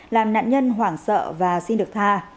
làm nạn nhân hoảng sợ và xin được tha